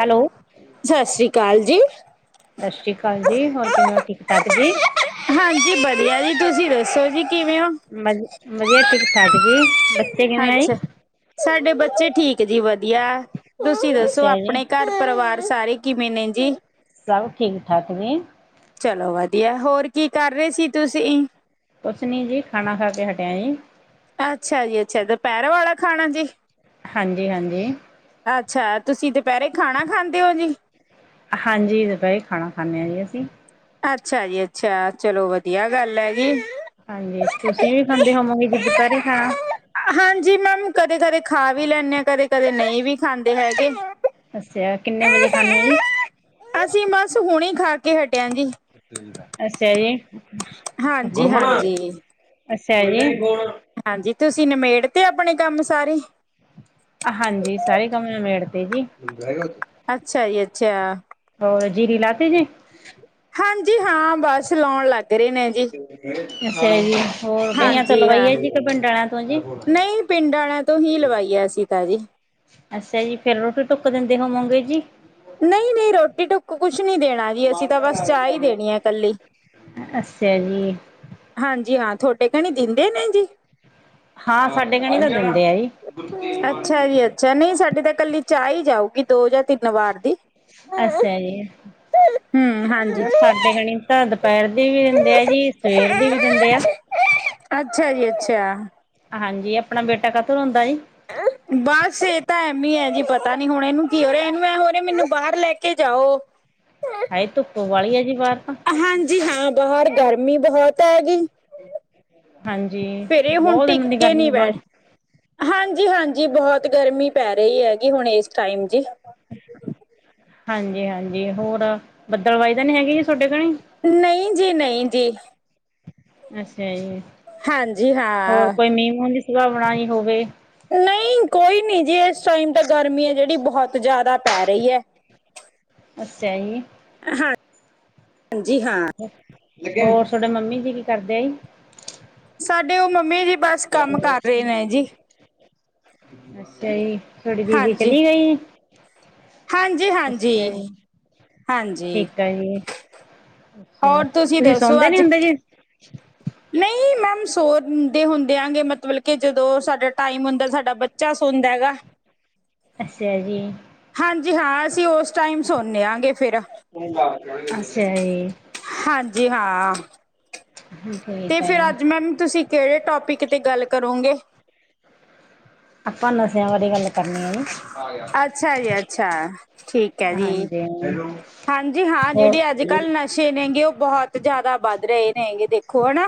Hello ਸਤਿ ਸ੍ਰੀ ਅਕਾਲ ਜੀ। ਸਤਿ ਸ਼੍ਰੀ ਅਕਾਲ ਜੀ ਹੋਰ ਕਿਵੇਂ ਹੋ ਠੀਕ -ਠਾਕ ਜੀ। ਹਾਂਜੀ ਵਧੀਆ ਜੀ ਤੁਸੀਂ ਦੱਸੋ ਜੀ ਕਿਵੇਂ ਹੋ? ਵਧੀਆ ਠੀਕ, ਠਾਕ ਜੀ ਬੱਚੇ ਕਿਵੇਂ ਹੈ ਜੀ। ਅੱਛਾ। ਸਾਡੇ ਬੱਚੇ ਠੀਕ ਜੀ ਵਧੀਆ ਤੁਸੀਂ ਦੱਸੋ ਅੱਛਾ ਜੀ ਆਪਣੇ ਘਰ ਪਰਿਵਾਰ ਸਾਰੇ ਕਿਵੇਂ ਨੇ ਜੀ? ਸਾਬ ਠੀਕ-ਠਾਕ ਨੇ। ਚਲੋ ਵਦੀਆ, ਹੋਰ ਕੀ ਕਾਰ ਰਏ ਸੀ ਤੁਸੀਂ? ਕੁਸ ਨੀ ਜੀ, ਖਾਣਾ ਖਾ ਕੇ ਹਟੇਆਂ ਜੀ। ਅੱਛਾ ਜੀ, ਅੱਛਾ ਦੋਪੈਰ ਵਾਲਾ਼ ਖਾਣਾ ਜੀ? ਹਾਂਜੀ-ਹਾਂਜੀ। ਆੱਛਾ ਤੁਸੀਂ ਦੁਪੈਰੇ ਖਾਣਾ ਖਾਂਦੇ ਓ ਜੀ? ਹਾਂਜੀ, ਦੂਪੈਰੀ ਖਾਣਾ ਖਾਂਨੇ ਆਂ ਜੀ ਅਸੀਂ। ਆੱਛਾ ਜੀ, ਅੱਛਾ ਚਲੋ ਵਦੀਆ ਗਾੱਲ ਐ। ਹਾਂਜੀ, ਤੁਸੀਂ ਵੀ ਖਾਂਦੇ ਹੋਮੋਂ ਗੇ ਜੀ ਦੁਪੈਰੇ ਖਾਣਾ? ਹਾਂਜੀ ਮੈਮ, ਕਦੇ-ਕਦੇ ਖਾ ਵੀ ਲੈਂਨੇ ਆ ਕਦੇ-ਕਦੇ ਨਈ ਵੀ ਖਾਂਦੇ ਹੈਗੇ। ਅੱਸੇਆ, ਕਿੰਨੇ ਵਜੇ ਖਾਨੇ ਓ ਜੀ? ਅਸੀਂ ਬਸ ਹੁਣੇ ਖਾ ਕੇ ਹਟੇ ਆਂਗੇ। ਅਸੇਯਾ ਜੀ, ਅਸੇਯਾ ਹਾਂਜੀ ਹਾਂਜੀ ਜੀ। ਹਾਂਜੀ, ਤੁਸੀਂ ਨਮੇੜ ਤੇ ਆਪਣੇ ਕਾੰਮ ਸਾਰੇ‌? ਹਾਂਜੀ, ਸਾਰੇ ਕਾੰਮ ਨਮੇੜ ਤੇ ਜੀ। ਅੱਛਾ ਜੀ, ਅੱਛਾ। ਹੋਰ, ਜੀਰੀ ਲਾਤੀ ਜੀ? ਹਾਂਜੀ ਹਾਂ, ਬਾਸ ਲਾਉਣ ਲਾੱਗ ਰੇ ਨੇ ਜੀ। ਅੱਸਾ ਜੀ। ਹੋਰ, ਭਈਆਂ ਤੋਂ ਹਾਂਜੀ ਲਵਾਈ ਹਾਂ ਆਂ ਜੀ ਕ ਭਿੰਡਰਾ ਤੋ ਜੀ? ਨਹੀਂ ਪਿੰਡ ਵਾਲਿਆਂ ਤੋਂ ਹੀ ਲਵਾਈ ਆ ਅਸੀਂ ਤਾਂ ਜੀ ਅੱਸੇਆ ਜੀ, ਫੇਰ ਰੋਟੀ ਟੁੱਕ ਦਿੰਦੇ ਹੋਮੋਂ ਗੇ ਜੀ? ਨਈ-ਨਈ ਰੋਟੀ ਟੁੱਕ ਕੁਸ਼ ਨੀ ਦੇਣਾ ਜੀ, ਅਸੀਂ ਤਾਂ ਬਾੱਸ ਚਾਹ ਈ ਦੇਣੀ ਆ ਕੱਲੀ। ਅੱਸੇਆ ਜੀ। ਹਾਂਜੀ ਹਾਂ, ਥੋਡੇ ਕਣੀ ਦਿੰਦੇ ਨੇ ਜੀ? ਹਾਂ, ਸਾਡੇ ਕਣੀ ਤਾਂ ਦਿਂਦੇ ਆ ਜੀ। [unintelligible] ਨੀ ਸਾਡੇ ਤਾਂ ਕੱਲੀ ਚਾ ਈ ਜਾਊਗੀ ਦੋ ਜਾਂ ਤਿੰਨ ਵਾਰ ਦੀ। ਅੱਸੇਆ ਜੀ। ਹੂੰ, ਹਾਂਜੀ। ਹੋਰ ਸਾਡੇ ਕਣੀ ਤਾਂ ਦਪੈਰ ਦੀ ਵੀ ਦਿੰਦੇ ਆ ਜੀ, ਸਵੇਰ ਦੀ ਵੀ ਦਿੰਦੇ ਆ। ਅੱਛਾ ਜੀ, ਅੱਛਾ। ਹਾਂਜੀ, ਅਪਣਾ ਬੇਟਾ ਕਾਤੋਂ ਰੋਂਦਾ ਜੀ? ਬਾਸ ਏ ਤਾਂ ਐਮੇ ਆ ਜੀ, ਪਤਾ ਨੀ ਹੁਣ ਏਨੂੰ ਕੀ ਹੋ ਰੇਆ ਏਨੂ ਐ ਹੋ ਰੇਆ ਮੈਨੂੰ ਬਾਹਰ ਲੈ ਕੇ ਜਾਓ। ਹਾਏ ਧੁੱਪੇ ਬਾਲੀ ਆ ਜੀ, ਬਾਰ ਤਾਂ। ਹਾਂਜੀ ਹਾਂ, ਬਾਹਰ ਗਾਰਮੀ ਤਾਂ ਬੋਤ ਐ ਜੀ। ਹਾਂਜੀ ਫੇਰ ਏ ਹੁਣ ਬਹੁਤ ਦਿਨਾਂ ਦੀ ਟਿੱਕੇ ਨੀ ਗਰਮੀ ਬਾ ਬੈਠ ਹਾਂਜੀ-ਹਾਂਜੀ, ਬਹੋਤ ਗਰਮੀ ਪੈ ਰਈ ਆਗੀ ਹੁਣ ਏਸ ਟਾਈਮ ਜੀ। ਹਾਂਜੀ-ਹਾਂਜੀ, ਹੋਰ ਬੱਦਲਵਾਈ ਤਾਂ ਨੀ ਹੈਗੀ? ਤੁਹਾਡੇ ਕਣੀ ਨਈ ਜੀ, ਨਈ ਜੀ। ਅੱਸੇ਼ਆ ਜੀ, ਹਾਂਜੀ ਹੋਰ ਹਾਂ। ਕੋਈ ਮੀਂਹ-ਮੂੰਹ ਦੀ ਸੁਲਾ ਬਣਾਈ ਹੋਵੇ? ਨਈ ਕੋਈ ਨੀ ਜੀ, ਏਸ ਟਾਈਮ ਤਾਂ ਗਾਰਮੀ ਐ ਜੇੜੀ ਬਹੋਤ ਜਾਦਾ ਪੈ ਰਈ ਐ। ਅੱਸੇਆ ਜੀ। ਹਾਂ, ਹਾਂਜੀ ਹਾਂ। ਹੋਰ, ਥੋਡੇ ਮੰਮੀ ਜੀ ਕੀ ਕਾਰਦੇ ਆ ਜੀ? ਸਾਡੇ ਓ ਮੰਮੀ ਜੀ ਬਾੱਸ ਕਾੱਮ ਕਾਰ ਰਏ ਨੇ ਜੀ। ਅੱਸੇਆ ਜੀ, ਥੋਡੀ ਦੀਦੀ ਹਾਂਜੀ ਚਲੀ ਗਈ ਜੀ? ਹਾਂਜੀ ਅਸੇਆ ਹਾਂਜੀ ਜੀ, ਹਾਂਜੀ ਠੀਕ ਆ ਜੀ। ਅੱਛਾ ਜੀ, ਤੁਸੀਂ ਸੌਂਦੇ ਨੀ ਹੁੰਦੇ ਜੀ? ਨਈ ਮੈਮ ਸੋਂਦੇ ਹੁੰਦੇ ਆਂਗੇ, ਮਤਲਬ ਕੇ ਜਦੋਂ ਸਾਡਾ ਟਾਈਮ ਹੁੰਦਾ ਸਾਡਾ ਬ ਬੱਚਾ ਸੋਂਦਾ ਹੈਗਾ। ਅੱਸੇਆ ਜੀ। ਹਾਂਜੀ ਹਾਂ, ਅਸੀਂ ਉਸ ਟਾਈਮ ਸੌਨੇ ਹਾਂਗੇ। ਅੱਛਾ ਜੀ। ਹਾਂਜੀ ਹਾਂ, ਤੇ ਠੀਕ ਆ ਫਿਰ ਜੀ ਅੱਜ ਮੈਮ ਤੁਸੀਂ। ਕਿਹੜੇ ਟੋਪਿਕ ਤੇ ਗੱਲ ਕਰੋਂਗੇ? ਆਪਾਂ ਨਸ਼ਿਆਂ ਬਾਰੇ ਗੱਲ ਕਰਨੀ ਹੈ ਜੀ। ਅੱਛਾ ਜੀ, ਅੱਛਾ ਠੀਕ ਹੈ ਜੀ। ਹੈਲੋ। ਹਾਂਜੀ ਹਾਂ ਜਿਹੜੇ ਅੱਜ ਕੱਲ੍ਹ ਨਸ਼ੇ ਨੇਗੇ ਉਹ ਬਹੁਤ ਜ਼ਿਆਦਾ ਵੱਧ ਰਹੇ ਨੇਗੇ ਦੇਖੋ ਹਨਾ।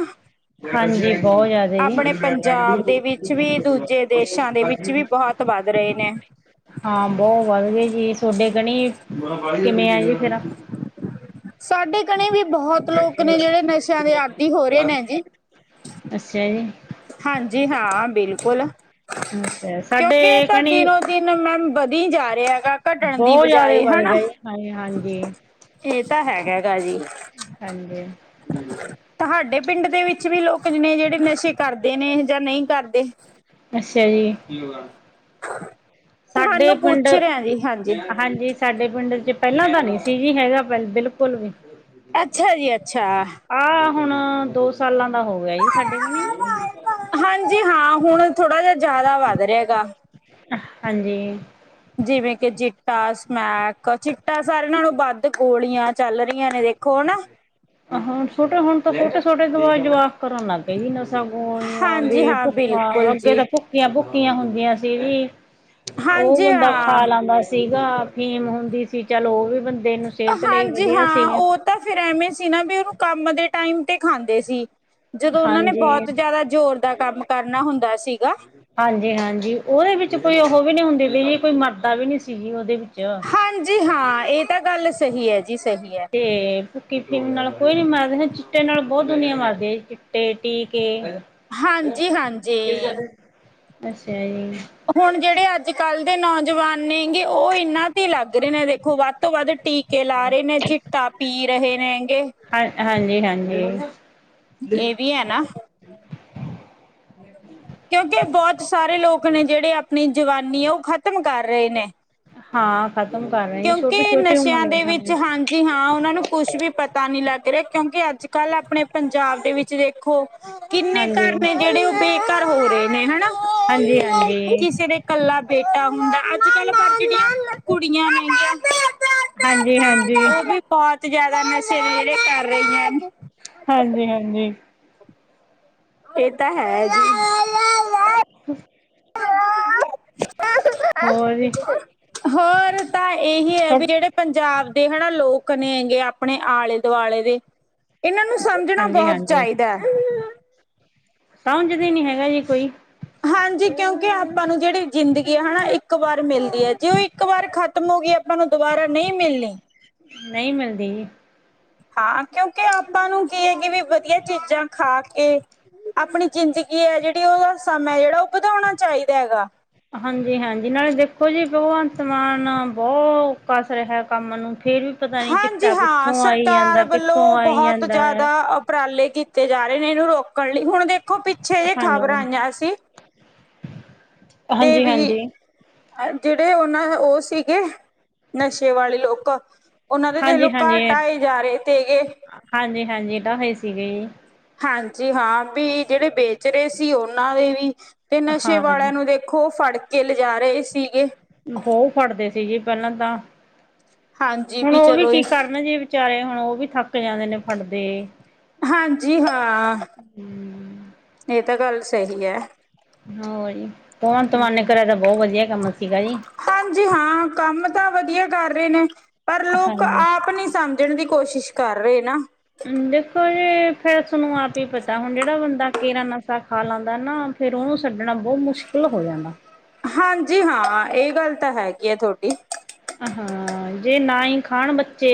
ਹਾਂਜੀ ਬਹੁਤ ਆਪਣੇ ਜ਼ਿਆਦਾ ਜੀ ਪੰਜਾਬ ਦੇ ਵਿੱਚ ਵੀ ਦੂਜੇ ਦੇਸਾਂ ਦੇ ਵਿੱਚ ਵੀ ਬਹੁਤ। ਬਹੁਤ ਵੱਧ ਰਹੇ ਨੇ। ਹਾਂ, ਬਹੁਤ ਵੱਧ ਗਏ ਜੀ ਤੁਹਾਡੇ ਕਣੀ ਕਿਵੇਂ ਆ ਜੀ ਫੇਰ। ਸਾਡੇ ਕਣੀ ਵੀ ਬਹੁਤ ਲੋਕ ਨੇ ਜਿਹੜੇ ਨਸ਼ਿਆਂ ਦੇ ਆਦੀ ਹੋ ਰਹੇ ਨੇ ਜੀ। ਅੱਛਾ ਜੀ। ਹਾਂਜੀ ਹਾਂ, ਬਿਲਕੁਲ, ਅੱਛਾ ਸਾਡੇ ਕਿਉਂਕਿ ਇਹ ਤਾਂ ਕਣੀ ਦਿਨੋ ਦਿਨ ਮੈਮ ਵਧੀ ਜਾ ਰਿਹਾ ਹੈਗਾ। ਘਟਣ ਦੀ ਬਹੁਤ ਜ਼ਿਆਦਾ ਬਜਾਏ ਵੱਧ ਹਨਾ ਗਿਆ ਜੀ ਹਾਂਜੀ ਹਾਂਜੀ ਇਹ ਤਾਂ ਹੈਗਾ ਹੈਗਾ ਹੈ ਜੀ। ਹਾਂਜੀ। ਤੁਹਾਡੇ ਪਿੰਡ ਦੇ ਵਿੱਚ ਵੀ ਲੋਕ ਨੇ ਜਿਹੜੇ ਨਸ਼ੇ। ਕਰਦੇ ਨੇ ਜਾਂ ਨਹੀਂ ਕਰਦੇ। ਅੱਛਾ ਜੀ ਸਾਡੇ ਤੁਹਾਨੂੰ ਪਿੰਡ ਪੁੱਛ ਰਿਹਾ ਜੀ ਹਾਂਜੀ ਹਾਂਜੀ। ਸਾਡੇ ਪਿੰਡ 'ਪਹਿਲਾਂ ਤਾਂ ਨਹੀਂ ਸੀ ਜੀ ਹੈਗਾ ਬਿਲਕੁਲ ਵੀ। ਅੱਛਾ ਜੀ ਅੱਛਾ। ਆਹ ਹੁਣ ਦੋ ਸਾਲਾਂ ਦਾ ਹੋ ਗਿਆ ਸਾਡੇ ਗਾਣੇ। ਹਾਂਜੀ ਹਾਂ ਹੁਣ ਥੋੜਾ ਜਿਹਾ ਜ਼ਿਆਦਾ ਵੱਧ ਰਿਹਾ ਗਾ। ਹਾਂਜੀ। ਜਿਵੇਂ ਕਿ ਚਿੱਟਾ ਸਮੈਕ ਚਿੱਟਾ ਸਾਰਿਆਂ ਨਾਲੋਂ ਵੱਧ ਗੋਲੀਆਂ ਚੱਲ ਰਹੀਆਂ ਨੇ ਦੇਖੋ। ਹਾਂ ਛੋਟੇ ਹੁਣ ਛੋਟ ਛੋਟੇ ਦਵਾ ਜਵਾਕ। ਕਰਨ ਲੱਗ ਗਏ ਜੀ ਨਸ਼ਾ ਗੋਲੀਆਂ ਹਾਂਜੀ ਹਾਂ ਭੁੱਕਾ ਬਿਲਕੁਲ ਅੱਗੇ ਜੀ ਭੁੱਕਾ। ਭੱਕੀਆਂ ਭੁੱਕੀਆਂ ਹੁੰਦੀਆਂ ਸੀ ਵੀ ਉਹ ਹਾਂਜੀ ਬੰਦਾ ਹਾਂ ਖਾ ਲਾਦਾ ਸੀ। ਸੀਗਾ ਫੀਮ ਹੁੰਦੀ ਸੀ ਚੱਲ ਉਹ ਵੀ ਬੰਦੇ ਨੂੰ ਸਿਹਤ ਲਈ ਹਾਂਜੀ ਵਧੀਆ ਸੀ। ਹਾਂ ਉਹ ਤਾਂ ਫੇਰ ਐਵੇਂ ਸੀ ਨਾ ਵੀ ਉਹਨੂੰ ਕੰਮ ਦੇ ਟਾਈਮ ਤੇ ਖਾਂਦੇ ਸੀ। ਜਦੋਂ ਉਹਨਾਂ ਨੇ ਬਹੁਤ ਹਾਂਜੀ ਜਿਆਦਾ ਜ਼ੋਰ ਦਾ ਕੰਮ ਕਰਨਾ ਹੁੰਦਾ ਸੀਗਾ। ਹਾਂਜੀ, ਹਾਂਜੀ। ਉਹਦੇ ਵਿੱਚ ਕੋਈ ਉਹ ਵੀ ਨਹੀਂ ਹੁੰਦੀ ਵੀ ਜੀ ਕੋਈ ਮਰਦਾ ਵੀ ਨਹੀਂ ਸੀਗੀ ਉਹਦੇ ਵਿੱਚ। ਜੀ ਹਾਂ ਇਹ ਤਾਂ ਗੱਲ ਸਹੀ ਹੈ ਜੀ ਸਹੀ ਹੈ। ਤੇ ਭੁੱਕੀ ਅਫੀਮ ਨਾਲ ਕੋਈ ਨੀ ਮਾਰਦੇ ਚਿੱਟੇ ਨਾਲ ਬਹੁਤ ਦੁਨੀਆਂ ਮਾਰਦੇ ਚਿੱਟੇ ਟੀਕੇ। ਹਾਂਜੀ, ਹਾਂਜੀ। ਅੱਛਾ ਜੀ। ਹੁਣ ਜਿਹੜੇ ਅੱਜ ਕੱਲ੍ਹ ਦੇ ਨੌਜਵਾਨ ਨੇਗੇ ਉਹ ਇਨਾਂ ਤੇ ਲੱਗ ਰਹੇ ਨੇ ਦੇਖੋ ਵੱਧ ਤੋਂ ਵੱਧ ਟੀਕ। ਟੀਕੇ ਲਾ ਰਹੇ ਨੇ ਗੇ ਚਿੱਟਾ ਪੀ ਰਹੇ ਨੇਗੇ। ਹਾਂ ਹਾਂਜੀ, ਹਾਂਜੀ। ਇਹ ਵੀ ਹੈ ਨਾ। ਕਿਉਂਕਿ ਬਹੁਤ ਸਾਰੇ ਲੋਕ ਨੇ ਜਿਹੜੇ ਆਪਣੀ ਜਵਾਨੀ ਆ ਉਹ ਖ਼ਤਮ ਕਰ ਰਹੇ ਨੇ। ਹਾਂ ਖਤਮ ਕਰ ਰਹੇ ਛੋਟੇ ਛੋਟੇ ਉਮਰਾਂ ਦੇ ਨੇ। ਜੀ ਹਾਂ ਉਹਨਾਂ ਨੂੰ ਕੁਛ ਵੀ ਪਤਾ ਨਹੀਂ ਲੱਗ ਰਿਹਾ। ਕਿਉਂਕਿ ਅੱਜ, ਕੱਲ੍ਹ ਆਪਣੇ ਪੰਜਾਬ ਦੇ ਵਿੱਚ ਦੇਖੋ। ਕਿੰਨੇ ਹਾਂਜੀ ਘਰ ਨੇ ਜਿਹੜੇ ਉਹ ਬੇਘਰ ਹੋ ਰਹੇ ਨੇ ਹਨਾ। ਹਾਂਜੀ, ਹਾਂਜੀ। ਕੱਲਾ ਬੇਟਾ ਹੁੰਦਾ ਅੱਜ ਕੱਲ ਬਚਦੀਆਂ ਕੁੜੀਆਂ। ਨੇਗੀਆਂ ਹਾਂਜੀ, ਹਾਂਜੀ। ਉਹ ਬਹੁਤ ਜਿਆਦਾ ਨਸ਼ੇ ਜਿਹੜੇ ਕਰ ਰਹੇ ਨੇ। ਹਾਂਜੀ, ਹਾਂਜੀ। ਇਹ ਤਾ, ਹੈਜੀ। ਹਾਂ ਹੋਰ ਜੀ ਹੋਰ ਤਾਂ ਇਹੀ ਹੈ, ਵੀ ਜਿਹੜੇ ਪੰਜਾਬ ਦੇ ਹਨਾ ਲੋਕ ਨੇਂ ਗੇ, ਆਪਣੇ ਆਲੇ-ਦੁਆਲੇ ਦੇ ਇਹਨਾਂ ਨੂੰ ਸਮਝਣਾ ਹਾਂਜੀ ਬਹੁਤ ਹਾਂਜੀ ਚਾਹੀਦਾ। ਸਮਝਦੇ ਨੀ ਹੈਗਾ ਜੀ, ਕੋਈ। ਹਾਂਜੀ, ਕਿਉਂਕਿ ਆਪਾਂ ਨੂੰ ਜਿਹੜੀ ਜ਼ਿੰਦਗੀ ਹੈ ਹਣਾ ਇੱਕ ਵਾਰ ਮਿਲਦੀ ਐ, ਜੇ ਉਹ ਇੱਕ ਵਾਰ ਖਤਮ ਹੋ ਗਈ ਆਪਾਂ ਨੂੰ ਦੁਬਾਰਾ ਨਹੀਂ ਮਿਲਣੀ। ਨਹੀਂ ਮਿਲਦੀ। ਹਾਂ, ਕਿਉਂਕਿ ਆਪਾ ਨੂੰ ਕੀ‌ ਹੇਗੀ ਵੀ ਵਧੀਆ ਚੀਜ਼ਾਂ ਖਾਕੇ ਆਪਣੀ ਜ਼ਿੰਦਗੀ ਐ ਜਿਹੜੀ, ਉਹਦਾ ਸਮਾਂ ਹੈ ਜਿਹੜਾ ਉਹ ਵਧਾਉਣਾ ਚਾਹੀਦਾ ਹੈਗਾ। ਹਾਂਜੀ-ਹਾਂਜੀ, ਨਾਲੇ ਦੇਖੋ ਜੀ ਭਗਵੰਤ ਮਾਨ ਬਹੁਤ ਕੱਸ ਰਿਹਾ ਕੰਮ ਨੂੰ, ਫੇਰ ਵੀ ਪਤਾ ਨੀ ਚਿੱਟਾ ਹਾਂਜੀ-ਹਾਂ, ਕਿੱਥੋਂ ਆਈ ਸਰਕਾਰ ਜਾਂਦਾ ਕਿੱਥੋਂ ਵੱਲੋਂ ਆਈ ਬਹੁਤ ਜਾਂਦਾ ਆ। ਜ਼ਿਆਦਾ ਉਪਰਾਲੇ ਕੀਤੇ ਤੇ ਜਾ ਰਹੇ ਨੇ, ਇਹਨੂੰ ਰੋਕਣ ਲਈ। ਹੁਣ ਦੇਖੋ, ਪਿੱਛੇ ਜੇ ਹਾਂਜੀ, ਖ਼ਬਰਾਂ ਆਈਆਂ ਸੀ ਤੇ, ਵੀ ਹਾਂਜੀ-ਹਾਂਜੀ, ਜਿਹੜੇ, ਉਹਨਾਂ ਉਹ ਸੀਗੇ, ਨਸ਼ੇ ਵਾਲੇ ਲੋਕ ਉਹਨਾਂ ਦੇ ਦੇਖਲੋ ਘਰ ਹਾਂਜੀ-ਹਾਂਜੀ। ਟ੍ਹਾਈ ਜਾ ਰਹੇ, ਤੇਗੇ। ਹਾਂਜੀ-ਹਾਂਜੀ, ਇਦਾਂ ਹੋਏ ਸੀਗੀ। ਹਾਂਜੀ- ਹਾਂ, ਵੀ ਜਿਹੜੇ ਵੇਚ ਰਹੇ ਸੀ ਉਹਨਾਂ ਦੇ ਵੀ, ਤੇ ਨਸ਼ੇ ਹਾਂ ਵਾਲਿਆਂ ਨੂੰ ਦੇ ਦੇਖੋ, ਫੜਕੇ ਲਿਜਾ ਰਹੇ ਸੀਗੇ। ਬਹੁਤ ਫੜਦੇ ਸੀ ਜੀ ਪਹਿਲਾਂ ਤਾਂ, ਹਾਂਜੀ ਹੁਣ ਉਹ ਵੀ ਚਲੋ ਕੀ ਇਹ, ਕਰਨ ਜੇ ਵਿਚਾਰੇ, ਹੁਣ ਉਹ ਵੀ ਥੱਕ ਜਾਂਦੇ ਨੇ ਫੜਦੇ। ਹਾਂਜੀ-ਹਾਂ, ਇਹ ਤਾ ਗੱਲ ਸਹੀ ਹੈ। ਓਹੀ, ਹੁਣ ਤ ਮੰਨ ਕਰਿਆ ਤਾ, ਬਹੁਤ ਵਧੀਆ ਕੰਮ ਸੀਗਾ ਜੀ। ਹਾਂਜੀ-ਹਾਂ, ਕੰਮ ਤਾ ਵਧੀਆ ਕਰ ਰਹੇ ਨੇ, ਪਰ ਲੋਕ ਹਾਂਜੀ। ਆਪ ਨਹੀਂ ਸਮਝ ਮਝਣ ਦੀ ਕੋਸ਼ਿਸ਼ ਕਰ ਰਹੇ ਨਾ। ਦੇਖੋ ਜੇ, ਫੇਰ ਥੋਨੂੰ ਆਪ ਹੀ ਪਤਾ, ਹੁਣ ਜਿਹੜਾ ਬੰਦਾ ਕੇਰਾ ਨਸ਼ਾ ਖਾ ਲਾਂਦਾ ਨਾ ਫਿਰ, ਉਹਨੂੰ ਛੱਡਣਾ ਬਹੁਤ ਮੁਸ਼ਕਿਲ ਹੋ ਜਾਂਦਾ। ਹਾਂਜੀ-ਹਾਂ, ਇਹ ਗੱਲ ਤਾਂ ਹੈਗੀ ਆ, ਥੋਡੀ। ਹ ਹਾਂ, ਜੇ ਨਾ ਹੀ ਖਾਣ ਬੱਚੇ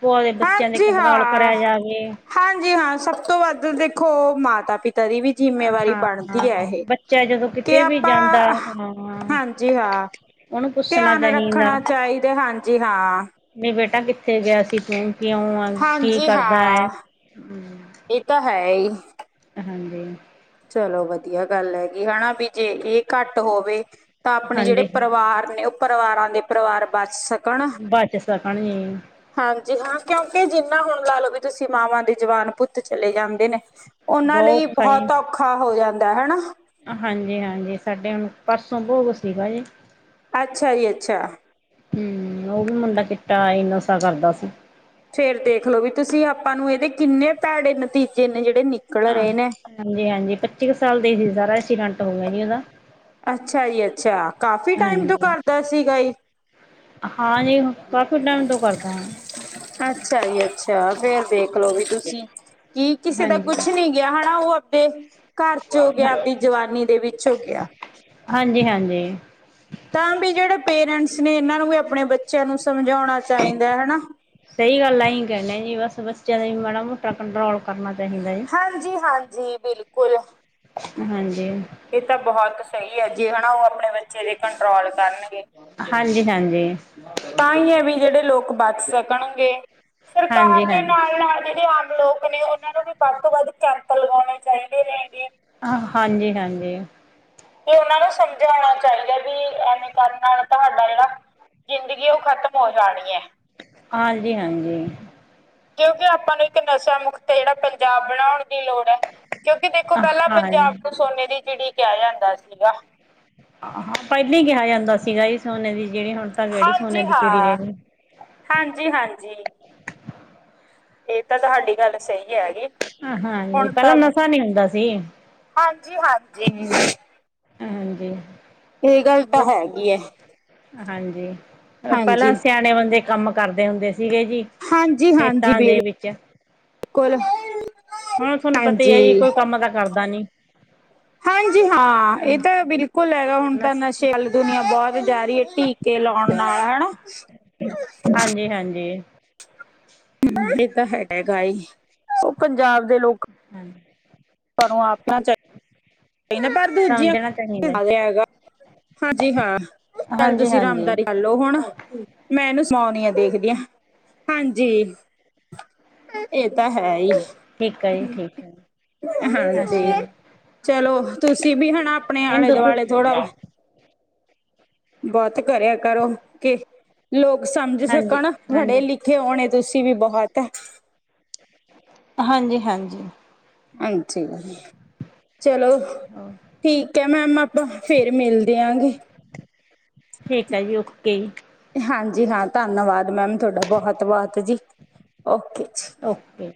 ਭੋਆ ਦੇ ਬੱਚਿਆਂ ਦੇ ਕੰਟਰੋਲ ਕਰਿਆ ਜਾਵੇ। ਹਾਂਜੀ-ਹਾਂ, ਸਭ ਤੋਂ ਵੱਧ ਦੇਖੋ ਮਾਤਾ-ਪਿਤਾ ਦੀ ਵੀ ਜਿੰਮੇਵਾਰੀ ਹਾਂ ਬਣਦੀ ਹਾਂ, ਆ ਇਹ, ਬੱਚਾ ਜਦੋਂ ਕਿ ਕਿਤੇ ਵੀ ਜਾਂਦਾ ਆਪਾਂ ਹਾਂ ਹਾਂਜੀ-ਹਾਂ। ਉਹਨੂੰ ਪੁੱਛਣਾ ਧਿਆਨ ਚਾਹੀਦਾ ਰੱਖਣਾ ਚਾਹੀਦਾ, ਹਾਂਜੀ-ਹਾਂ। ਨਹੀਂ ਬੇਟਾ ਕਿੱਥੇ ਗਿਆ ਸੀ ਤੂੰ, ਕਿਉਂ ਆ, ਕੀ ਹਾਂਜੀ ਹਾਂ ਕਰਦਾ ਐਂ ਇਹ ਤਾ ਹੈਹੀ। ਹਾਂਜੀ। ਚਲੋ ਵਧੀਆ ਗੱਲ ਹੈਗੀ, ਹਣਾ ਵੀ ਜੇ ਇਹ ਘੱਟ ਹੋਵੇ ਤਾ ਆਪਣੇ ਜਿਹੜੇ ਹਾਂਜੀ ਪਰਿਵਾਰ ਨੇ, ਉਹ ਪਰਿਵਾਰਾਂ ਦੇ ਪਰਿਵਾਰ ਬਚ ਸਕ ਬਚ ਸਕਣ ਜੀ। ਹਾਂਜੀ-ਹਾਂ, ਕਿਉਂਕਿ ਜਿੰਨਾ ਹੁਣ ਲਾਲਓ ਵੀ ਤੁਸੀਂ, ਮਾਵਾਂ ਦੇ ਜਵਾਨ ਪੁੱਤ ਚਲੇ ਜਾਂਦੇ ਨੇ ਉਹਨਾਂ ਲਈ ਔਖਾ ਏ ਬਹੁਤ ਔਖਾ ਹੋ ਜਾਂਦਾ, ਹਣਾ। ਹਾਂਜੀ-ਹਾਂਜੀ। ਸਾਡੇ ਹੁਣ, ਪਰਸੋਂ ਭੋਗ ਸੀਗਾ ਜੀ। ਅੱਛਾ ਜੀ, ਅੱਛਾ। ਹੂੰ, ਉਹ ਵੀ ਮੁੰਡਾ ਚਿੱਟਾ ਆ ਈ ਨਸ਼ਾ ਕਰਦਾ ਸੀ। ਫੇਰ ਦੇਖਲੋ, ਵੀ ਤੁਸੀਂ ਆਪਾਂ ਨੂੰ ਇਹਦੇ ਕਿੰਨੇ ਭੈੜੇ ਨਤੀਜੇ ਨੇ ਜਿਹੜੇ ਨਿਕਲ ਰਹੇ ਨੇ। ਹਾਂਜੀ-ਹਾਂਜੀ, ਪੱਚੀ ਕ ਸਾਲ ਦਾ ਹੀ ਸਾਰਾ, ਐਕਸੀਡੈਂਟ ਹੋਗਿਆ ਜੀ ਓਹਦਾ। ਅੱਛਾ ਜੀ, ਅੱਛਾ। ਕਾਫੀ ਟਾਈਮ ਤੋਂ ਹਾਂਜੀ ਕਰਦਾ ਸੀਗਾ ਈ? ਹਾਂਜੀ, ਕਾਫੀ ਟਾਈਮ ਤੋਂ ਕਰਦਾ, ਹਾਂ ਅੱਛਾ-ਜੀ, ਅੱਛਾ ਫੇਰ ਦੇਖਲੋ ਵੀ ਤੁਸੀਂ, ਕੀ ਕਿਸੇ ਦਾ ਹਾਂਜੀ। ਕੁੱਛ ਨੀ ਗਿਆ ਹੈ ਉਹ ਤੇ ਘਰ ਚ ਹੋ ਗਿਆ, ਆਪਦੀ ਜਵਾਨੀ ਦੇ ਵਿੱਚ ਹੋ ਗਿਆ। ਹਾਂਜੀ-ਹਾਂਜੀ। ਤਾਂ ਵੀ ਜਿਹੜੇ ਪੇਰੈਂਟਸ ਨੇ ਇਹਨਾਂ ਨੂੰ ਵੀ ਆਪਣੇ ਬੱਚਿਆਂ ਨੂੰ ਸਮਝਾਉਣਾ ਚਾਹੀਦਾ ਹੈਨਾ। ਸਹੀ ਗੱਲ ਆਹੀ ਕਹਿਦੇ ਜੀ ਬਸ ਬੱਚਿਆਂ ਦਾ ਮਾੜਾ- ਮੋਟਾ ਕੰਟਰੋਲ ਕਰਨਾ ਚਾਹੀਦਾ। ਜੀ। ਹਾਂਜੀ-ਹਾਂਜੀ, ਬਿਲਕੁਲ ਹਾਂਜੀ। ਇਹ ਤਾਂ ਬਹੁਤ ਸਹੀ ਹੈ, ਜੇ ਹੈਣਾ ਨਾ ਉਹ ਆਪਣੇ ਬੱਚੇ ਦੇ ਕੰਟਰੋਲ ਕਰਨਗੇ। ਹਾਂਜੀ। ਤਾਂਹੀ ਹੈ ਵੀ ਜਿਹੜੇ ਲੋਕ ਬਚ ਸਕਣਗੇ। ਸਰਕਾਰ ਦੇ ਹਾਂਜੀ-ਹਾਂਜੀ। ਨਾਲ- ਨਾਲ ਜਿਹੜੇ ਆਉਲੋ- ਨੇ ਉਹਨਾਂ ਨੂੰ ਵੀ ਵੱਧ ਤੋਂ ਵੱਧ ਕੈਂਪ ਲਗਾਉਣੇ ਚਾਹੀਦੇ ਨੇ ਤੇ ਹਾਂਜੀ-ਹਾਂਜੀ। ਤੇ ਉਹਨਾਂ ਨੂੰ ਸਮਝਾਉਣਾ ਚਾਹੀਦਾ ਵੀ ਐਵੇਂ ਕਰਨ ਨਾਲ ਤੁਹਾਡਾ ਜਿਹੜਾ ਜ਼ਿੰਦਗੀ ਉਹ ਖ਼ਤਮ ਹੋ ਜਾਣੀ ਹੈ। ਹਾਂਜੀ-ਹਾਂਜੀ। ਕਿਉਂਕਿ ਆਪਾਂ ਨੂੰ ਇੱਕ ਨਸ਼ਾ ਮੁਕਤ ਜਿਹੜਾ ਪੰਜਾਬ ਬਣਾਉਣ ਦੀ ਲੋੜ ਹੈ। ਕਿਉਂਕਿ ਦੇਖੋ, ਪਹਿਲਾਂ ਪੰਜਾਬ ਹਾਂ ਨੂੰ ਸੋਨੇ ਦੀ ਚਿੜੀ ਕਿਹਾ ਜਾਂਦਾ ਸੀਗਾ। ਆਹੋ ਪਹਿਲੇ ਹੀ ਕਿਹਾ ਜਾਂਦਾ ਸੀਗਾ ਸੋਨੇ ਦੀ ਚਿੜੀ ਹੁਣ ਤਾਂ ਕੀਹੜੀ ਸੋਨੇ ਦੀ ਚੀੜੀ ਰਹਿ ਗਈ। ਹਾਂਜੀ-ਹਾਂਜੀ। ਇਹ ਤਾਂ ਤੁਹਾਡੀ ਗੱਲ ਸਹੀ ਹੈਗੀ। ਆ ਹਾਂਜੀ, ਪਹਿਲਾਂ ਨਸ਼ਾ ਨੀ ਹੁੰਦਾ ਸੀ। ਹਾਂਜੀ-ਹਾਂਜੀ। ਹਾਂਜੀ। ਇਹ ਗੱਲ ਤਾਂ ਬਸ ਹੈਗੀ ਏ। ਹਾਂਜੀ, ਪਹਿਲਾਂ ਸਿਆਣੇ ਬੰਦੇ ਕੰਮ ਕਰਦੇ ਹੁੰਦੇ ਸੀਗੇ ਜੀ। ਹਾਂਜੀ-ਹਾਂਜੀ, ਖੇਤਾਂ ਦੇ ਵਿੱਚ ਬਿਲਕੁੱਲ। ਹੁਣ ਤੁਹਾਨੂੰ ਪਤਾ ਹੈ ਜੀ ਕੋਈ ਕੰਮ ਤਾਂ ਕਰਦਾ ਨੀ। ਹਾਂਜੀ-ਹਾਂ, ਇਹ ਤਾਂ ਬਿਲਕੁਲ ਹੈਗਾ ਹੁਣ ਤਾਂ ਬਸ ਨਸ਼ੇ ਵਲ ਦੁਨੀਆਂ ਬਹੁਤ ਜਾ ਰਹੀ ਹੈ। ਕੇ ਲਾਉਣ ਨਾਲ ਹੈਣਾ। ਹਾਂਜੀ। ਹਾਂਜੀ-ਹਾਂਜੀ। ਇਹ ਤਾਂ ਹੈਗਾਹੀ, ਉਹ ਪੰਜਾਬ ਦੇ ਲੋਕ ਹੂੰ। ਪਰ ਆਪਣਾ ਚਾਹੀ ਪਰ ਦੂਜੀਆਂ ਸਮਝਣਾ ਚਾਹੀਦਾ ਥਾ ਤੇ ਹੈਗਾ ਹਾਂਜੀ-ਹਾਂ, ਚੱਲ ਹਾਂਜੀ ਤੁਸੀਂ ਹਾਂਜੀ ਆਰਾਮਦਾਰੀ ਲੋ ਹੁਣ, ਮੈਂ ਇਹਨੂੰ ਸੁਣਾਉਦੀ ਆ ਦੇਖਦੀ ਹਾ, ਹਾਂਜੀ। ਇਹ ਤਾਂ ਹੈਹੀ, ਠੀਕ ਹੈ ਜੀ ਠੀਕ ਹੈ ਹਾਂਜੀ। ਅੱਛਾ ਜੀ ਚਲੋ, ਤੁਸੀਂ ਵੀ ਹੈਣਾ ਆਪਣੇ ਇਹਨੂੰ ਆਲੇ ਦੁੱਧ ਦੁਆਲੇ ਥੋੜਾ ਬਾਤ ਕਰਿਆ ਕਰੋ ਕਿ ਲੋਕ ਸਮਝ ਹਾਂਜੀ ਸਕਣ, ਹਾਂਜੀ ਪੜ੍ਹੇ-ਲਿਖੇ ਹੋਣੇ ਤੁਸੀਂ ਵੀ ਬਹੁਤ ਹਾਂਜੀ-ਹਾਂਜੀ। ਹਾਂਜੀ, ਚਲੋ। ਹੋਰ ਠੀਕ ਹੈ ਮੈਮ ਆਪਾਂ ਫਿਰ ਮਿਲਦੇ ਆਗ ਠੀਕ ਆਜੀ, ਓਕੇ ਜੀ। ਹਾਂਜੀ-ਹਾਂ, ਧੰਨਵਾਦ ਮੈਮ ਤੁਹਾਡਾ ਬਹੁਤ, -ਬਹੁਤ ਜੀ, ਓਕੇ ਜੀ। ਓਕੇ।